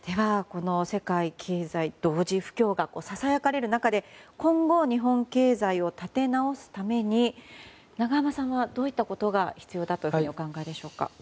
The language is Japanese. この世界経済同時不況がささやかれる中で今後、日本経済を立て直すために永濱さんはどういったことが必要だとお考えでしょうか。